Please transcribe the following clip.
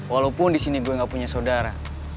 walaupun di sini gue gak punya saudara